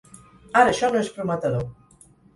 Ara això no és prometedor.